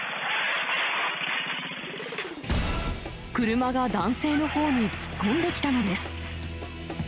車が男性のほうに突っ込んできたのです。